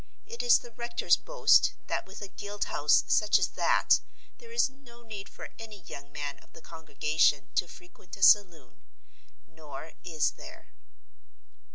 It is the rector's boast that with a Guild House such as that there is no need for any young man of the congregation to frequent a saloon. Nor is there.